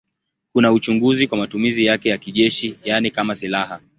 Kuna uchunguzi kwa matumizi yake ya kijeshi, yaani kama silaha.